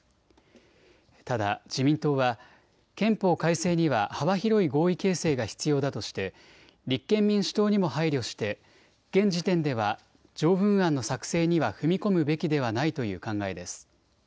ただ自民党は、憲法改正には幅広い合意形成が必要だとして、立憲民主党にも配慮して、現時点では、条文案の作成には踏み込むべきではないという考えです。